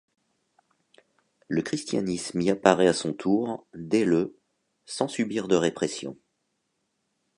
Le christianisme y apparaît à son tour dès le sans subir de répression.